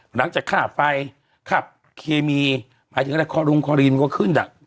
ค่าไฟค่าเคมีหมายถึงอะไรคอรุงคอรีนก็ขึ้นอ่ะ